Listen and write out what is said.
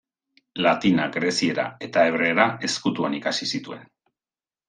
Latina, greziera eta hebreera ezkutuan ikasi zituen.